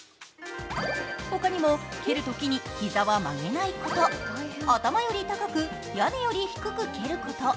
ほかにも、蹴るときに膝は曲げないこと頭より高く、屋根より低く蹴ること。